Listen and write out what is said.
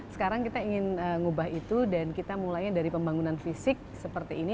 sekarang kita ingin mengubah itu dan kita mulainya dari pembangunan fisik seperti ini